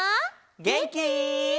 げんき？